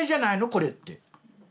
これ」って。